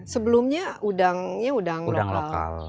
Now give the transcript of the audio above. sebelumnya udangnya udang lokal